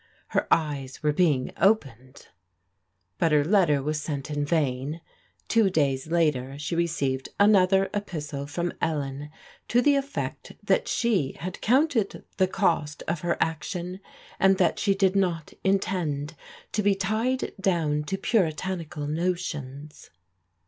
Her eyes were being opened. But her letter was sent in vain. Two days later she recdved another episde from Ellen to the effect that sbt had counted the cost of her action, and that she did not intend to be tied down to Puritanical notions.